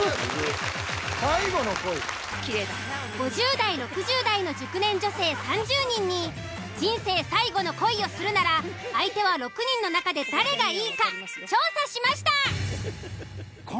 ５０代・６０代の熟年女性３０人に人生最後の恋をするなら相手は６人の中で誰がいいか調査しました。